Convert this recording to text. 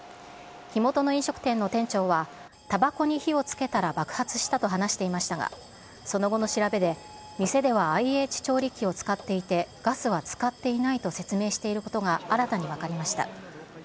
火元の飲食店の店長は、たばこに火をつけたら爆発したと話していましたが、その後の調べで、店ではＩＨ調理器を使っていて、ガスは使っていないと説明していることが新たに分かりました。